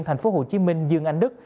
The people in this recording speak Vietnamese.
tp hcm dương anh đức